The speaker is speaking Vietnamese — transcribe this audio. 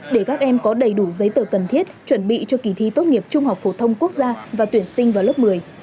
để các em có đầy đủ giấy tờ cần thiết chuẩn bị cho kỳ thi tốt nghiệp trung học phổ thông quốc gia và tuyển sinh vào lớp một mươi